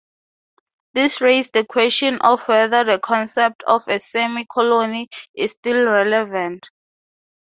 This raised the question of whether the concept of a "semi-colony" is still relevant.